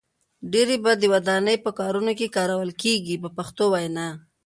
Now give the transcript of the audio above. ډیری یې د ودانۍ په کارونو کې کارول کېږي په پښتو وینا.